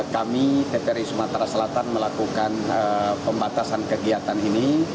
kami dprri sumatera selatan melakukan pembatasan kegiatan ini